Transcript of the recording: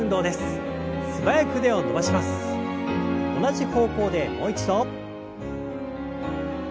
同じ方向でもう一度。